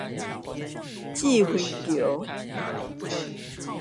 稚暉橋